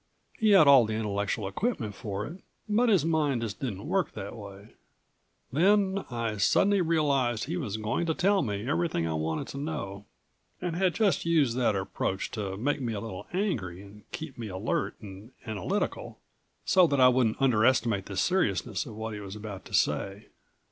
He had all the intellectual equipment for it, but his mind just didn't work that way. Then I suddenly realized he was going to tell me everything I wanted to know and had just used that approach to make me a little angry and keep me alert and analytical, so that I wouldn't underestimate the seriousness of what he was about to say.